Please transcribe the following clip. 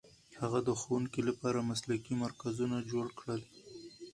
هغه د ښوونکو لپاره مسلکي مرکزونه جوړ کړل.